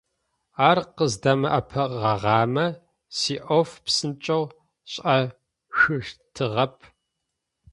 Ар къыздэмыӀэпыӀэгъагъэмэ, сиӀоф псынкӀэу сшӀэшъущтыгъэп.